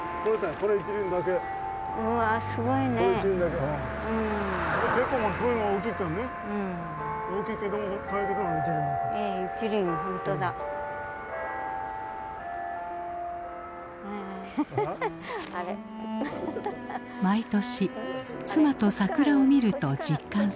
毎年妻と桜を見ると実感する。